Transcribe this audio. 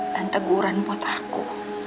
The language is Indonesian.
dan teguran buat aku